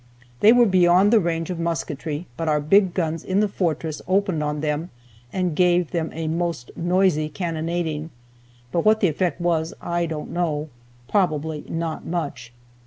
They were beyond the range of musketry, but our big guns in the fortress opened on them and gave them a most noisy cannonading, but what the effect was I don't know, probably not much.